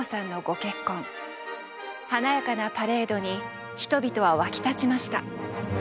華やかなパレードに人々は沸き立ちました。